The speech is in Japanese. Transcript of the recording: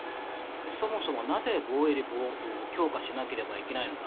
そもそも、なぜ防衛力を強化しなければいけないのか。